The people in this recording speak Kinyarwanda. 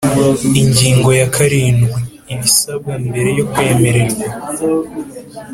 Ingingo ya karindwi Ibisabwa mbere yo kwemererwa